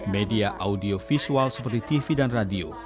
media audiovisual seperti tv dan radio